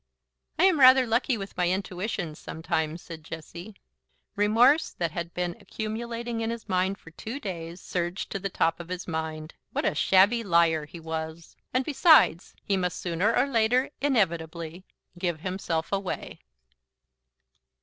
"I am rather lucky with my intuitions, sometimes," said Jessie. Remorse that had been accumulating in his mind for two days surged to the top of his mind. What a shabby liar he was! And, besides, he must sooner or later, inevitably, give himself away.